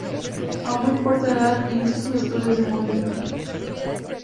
A muy corta edad inició sus estudios de música.